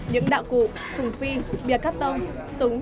những đạo cụ thùng phi bia cắt tông súng